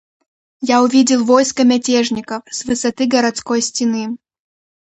Я увидел войско мятежников с высоты городской стены.